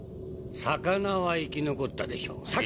魚は生き残ったでしょうね。